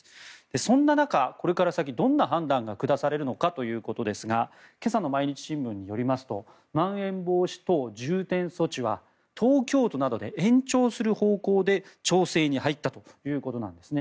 そんな中、これから先どんな判断が下されるのかということですが今朝の毎日新聞によりますとまん延防止等重点措置は東京都などで延長する方向で調整に入ったということなんですね。